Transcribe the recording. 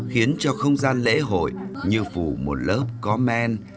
khiến cho không gian lễ hội như phủ một lớp có men